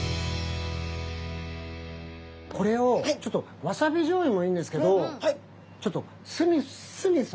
これをちょっとわさびじょうゆもいいんですけどちょっと酢みそ。